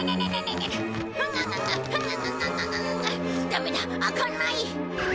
ダメだ開かない。